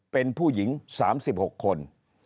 เป็นผู้หญิง๓๖คน